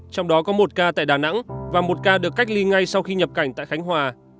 trong đó có một ca tại đà nẵng và một ca được cách ly ngay sau khi nhập cảnh tại khánh hòa